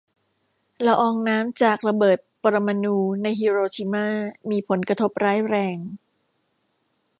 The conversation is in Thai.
ละอองน้ำจากระเบิดปรมาณูในฮิโรชิม่ามีผลกระทบร้ายแรง